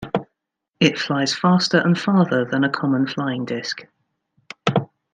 It flies faster and farther than a common flying disc.